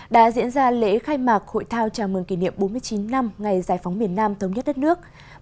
đã diễn ra lễ khai mạc hội thao chào mừng kỷ niệm bốn mươi chín năm ngày giải phóng miền nam thống nhất đất nước